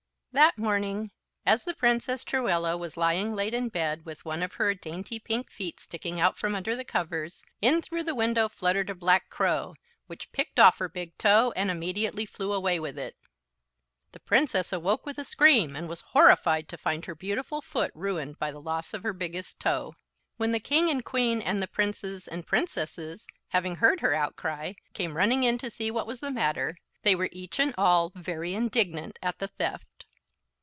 That morning, as the Princess Truella was lying late in bed, with one of her dainty pink feet sticking out from under the covers, in through the window fluttered a Black Crow, which picked off her big toe and immediately flew away with it. The Princess awoke with a scream and was horrified to find her beautiful foot ruined by the loss of her biggest toe. When the King and Queen and the Princes and Princesses, having heard her outcry, came running in to see what was the matter, they were each and all very indignant at the theft.